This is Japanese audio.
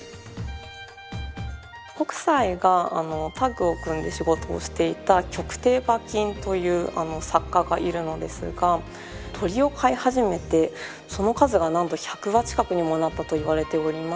北斎がタッグを組んで仕事をしていた曲亭馬琴という作家がいるのですが鳥を飼い始めてその数がなんと１００羽近くにもなったといわれております。